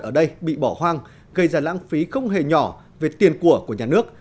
ở đây bị bỏ hoang gây ra lãng phí không hề nhỏ về tiền của nhà nước